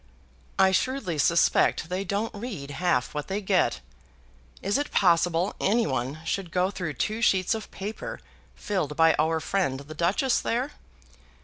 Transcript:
"I shrewdly suspect they don't read half what they get. Is it possible any one should go through two sheets of paper filled by our friend the Duchess there?